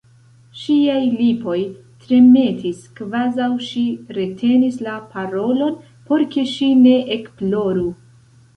Ŝiaj lipoj tremetis, kvazaŭ ŝi retenis la parolon, por ke ŝi ne ekploru.